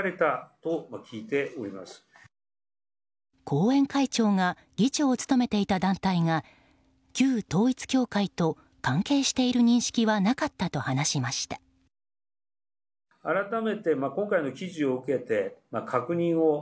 後援会長が議長を務めていた団体が旧統一教会と関係している認識はなかったと話しました。